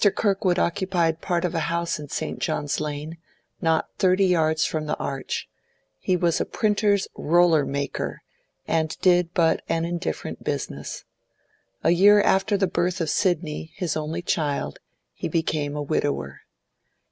Kirkwood occupied part of a house in St. John's Lane, not thirty yards from the Arch; he was a printers' roller maker, and did but an indifferent business. A year after the birth of Sidney, his only child, he became a widower.